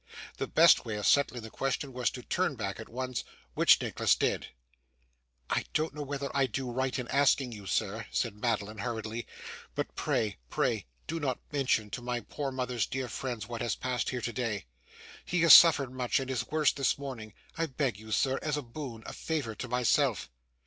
The best way of settling the question was to turn back at once, which Nicholas did. 'I don't know whether I do right in asking you, sir,' said Madeline, hurriedly, 'but pray, pray, do not mention to my poor mother's dear friends what has passed here today. He has suffered much, and is worse this morning. I beg you, sir, as a boon, a favour to myself.